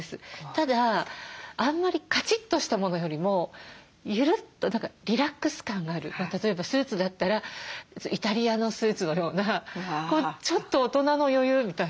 ただあんまりカチッとしたものよりもゆるっと何かリラックス感がある例えばスーツだったらイタリアのスーツのようなちょっと大人の余裕みたいなね